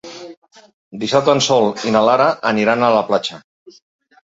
Dissabte en Sol i na Lara aniran a la platja.